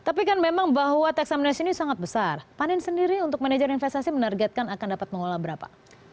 tapi kan memang bahwa tax amnesty ini sangat besar panen sendiri untuk manajer investasi menargetkan akan dapat mengolah berapa